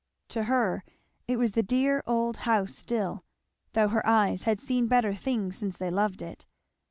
To her it was the dear old house still, though her eyes had seen better things since they loved it.